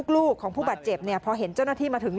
ลูกของผู้บาดเจ็บพอเห็นเจ้าหน้าที่มาถึง